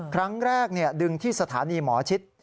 ครั้งแรกดึงที่สถานีหมอชิด